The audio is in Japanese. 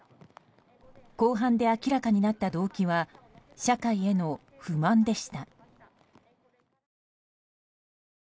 公判で明らかになった動機は社会への不満でした。